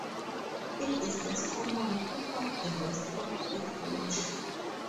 It is less common throughout the rest of its range.